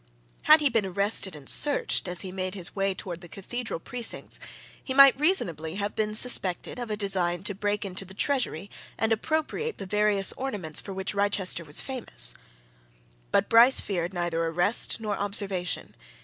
Had he been arrested and searched as he made his way towards the cathedral precincts he might reasonably have been suspected of a design to break into the treasury and appropriate the various ornaments for which Wrychester was famous. But Bryce feared neither arrest nor observation.